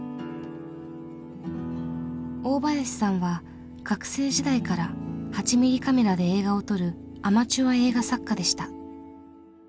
大林さんは学生時代から８ミリカメラで映画を撮るアマチュア映画作家でした。